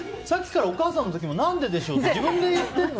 さっきからお母さんの時も何ででしょうって。